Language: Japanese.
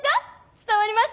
伝わりました！？